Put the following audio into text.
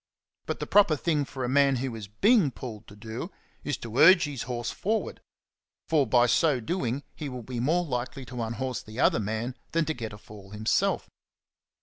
But the proper thing for the man who is being pulled to do, is to urge his horse forward; for by so doing, he will be more likely to CHAPTER VIII. 49 unhorse the other man than to get a fall himself.